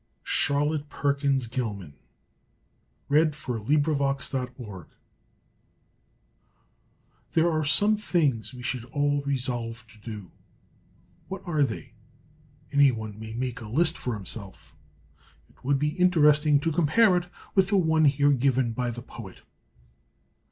[Illustration: CHARLOTTE PERKINS GILMAN] RESOLVE There are some things we should all resolve to do. What are they? Any one may make a list for himself. It would be interesting to compare it with the one here given by the poet.